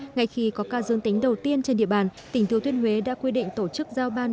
ngay khi có ca dương tính đầu tiên trên địa bàn tỉnh thừa thiên huế đã quy định tổ chức giao ban